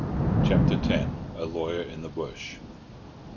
CHAPTER X. A LAWYER IN THE BUSH.